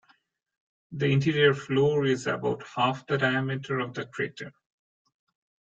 The interior floor is about half the diameter of the crater.